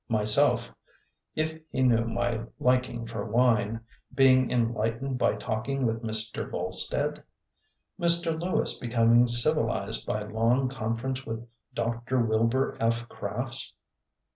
myself (if he knew my lik ing for wine) being enlightened by talking with Mr. Volstead? Mr. Lewis becoming civilized by long conference with Dr. Wilbur F. Crafts?